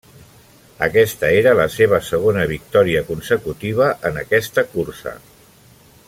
Aquesta era la seva segona victòria consecutiva en aquesta cursa.